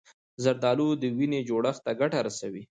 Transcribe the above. زردالو د وینې جوړښت ته ګټه رسوي.